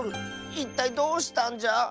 いったいどうしたんじゃ⁉